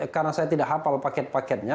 karena saya tidak hafal paket paketnya